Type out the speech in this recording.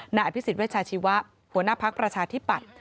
หน้าอภิษฐ์วัชชาชีวะหัวหน้าภักร์ประชาธิปัตธ์